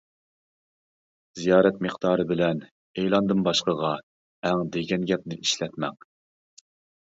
زىيارەت مىقدارى بىلەن ئېلاندىن باشقىغا ئەڭ دېگەن گەپنى ئىشلەتمەڭ.